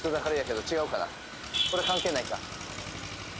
これ関係ないか何？